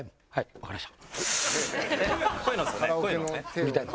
わかりました。